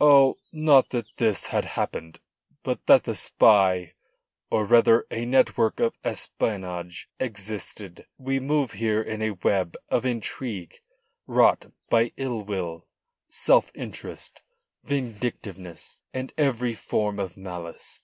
"Oh, not that this had happened. But that the spy or rather a network of espionage existed. We move here in a web of intrigue wrought by ill will, self interest, vindictiveness and every form of malice.